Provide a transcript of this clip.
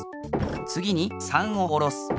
つぎに３をおろす。